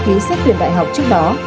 ký sách tuyển đại học trước đó